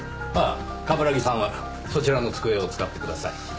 ああ冠城さんはそちらの机を使ってください。